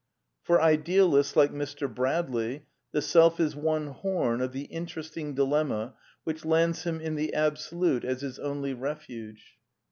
For idealists like Mr. Bradley the Self is one horn of^^4 the interesting dilemma which lands him in the Absolute \ as his only refuge.